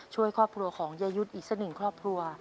ช่วยครอบครัวของเยยุทธ์อีกสักหนึ่งครอบครัว